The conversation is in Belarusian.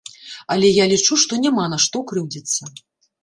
Але я лічу, што няма на што крыўдзіцца!